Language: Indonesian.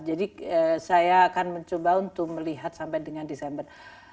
jadi saya akan mencoba untuk melihat sampai dengan desember